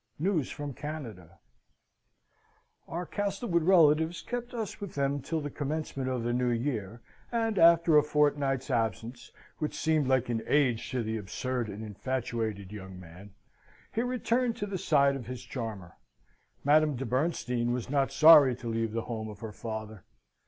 News from Canada Our Castlewood relatives kept us with them till the commencement of the new year, and after a fortnight's absence (which seemed like an age to the absurd and infatuated young man) he returned to the side of his charmer. Madame de Bernstein was not sorry to leave the home of her father.